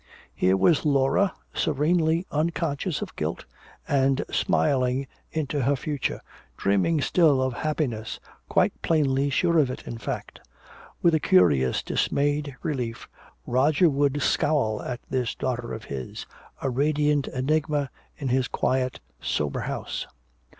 Here was Laura, serenely unconscious of guilt, and smiling into her future, dreaming still of happiness, quite plainly sure of it, in fact! With a curious dismayed relief Roger would scowl at this daughter of his a radiant enigma in his quiet sober house.